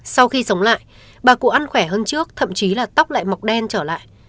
sau khi sống lại bà cụ ăn khỏe hơn trước thậm chí là tóc lại mọc đen trở lại